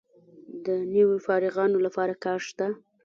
د نویو فارغانو لپاره کار شته؟